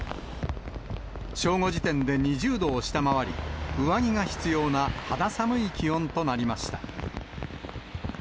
正午時点で２０度を下回り、上着が必要な肌寒い気温となりました。